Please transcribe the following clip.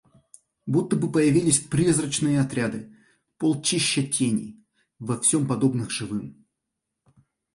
Будто бы появились призрачные отряды, полчища теней, во всем подобных живым.